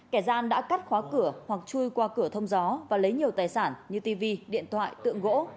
kẻ gian đã cắt khóa cửa hoặc chui qua cửa thông gió và lấy nhiều tài sản như tv điện thoại tượng gỗ